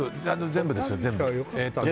全部ですよ、全部。